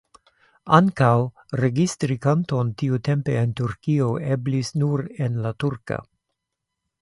Ankaŭ registri kanton tiutempe en Turkio eblis nur en la turka.